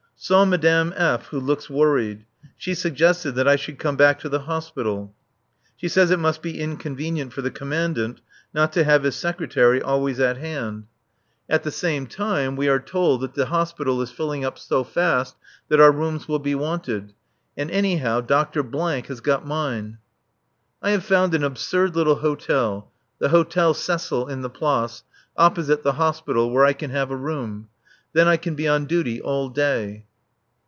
Saw Madame F., who looks worried. She suggested that I should come back to the Hospital. She says it must be inconvenient for the Commandant not to have his secretary always at hand. At the same time, we are told that the Hospital is filling up so fast that our rooms will be wanted. And anyhow, Dr. has got mine. I have found an absurd little hotel, the Hôtel Cecil in the Place, opposite the Hospital, where I can have a room. Then I can be on duty all day.